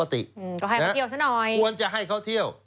ก็ให้มาเที่ยวซะหน่อยควรจะให้เขาเที่ยว